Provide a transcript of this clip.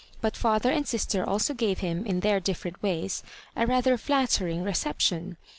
But father and sister also gave him, in their different ways, a rather flattering reception.